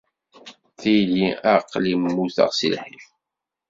Tili aql-i mmuteɣ si lḥif.